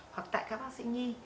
hoặc tại các bác sĩ nhi